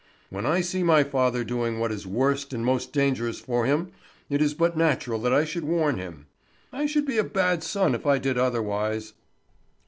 When I see my father doing what is worst and most dangerous for him, it is but natural that I should warn him. I should be a bad son if I did otherwise."